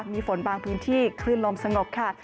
มีฝนบางพื้นที่คลื่นลมสงบค่ะ